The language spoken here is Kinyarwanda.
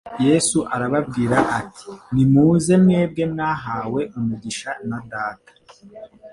Yesu arababwira ati “nimuze mwebwe abahawe umugisha na Data,